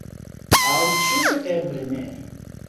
Aŭ ĉu eble ne?